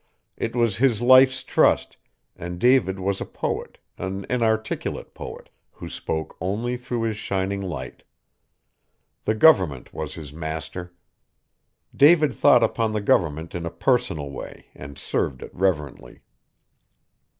It was his life's trust, and David was a poet, an inarticulate poet, who spoke only through his shining Light. The government was his master. David thought upon the government in a personal way and served it reverently.